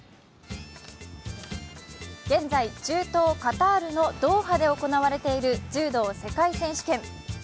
現在、中東カタールのドーハで行われている柔道世界選手権。